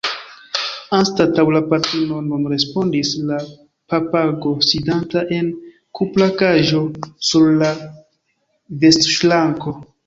Anstataŭ la patrino, nun respondis la papago, sidanta en kupra kaĝo sur la vestoŝranko.